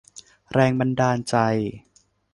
แรงบันดาลใจ